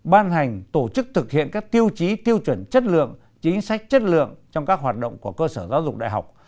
ban hành tổ chức thực hiện các tiêu chí tiêu chuẩn chất lượng chính sách chất lượng trong các hoạt động của cơ sở giáo dục đại học